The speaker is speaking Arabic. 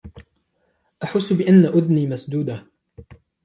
أحس بأن أذني مسدودة.